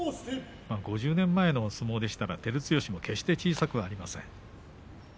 ５０年前の相撲でしたら照強も決して小さくありません。